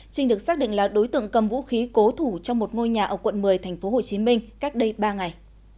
trinh được xác định là đối tượng cầm vũ khí cố thủ trong một ngôi nhà ở quận một mươi tp hcm cách đây ba ngày